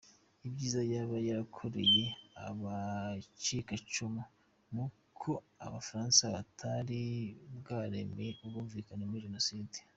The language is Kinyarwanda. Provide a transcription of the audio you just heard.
Ibyiza yaba yarakoreye abacikacumu n’uko abafaransa batari bwaremera « ubwumvika kuri jenoside ».